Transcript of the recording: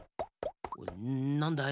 なんだい？